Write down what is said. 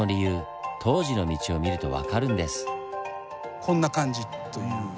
こんな感じという。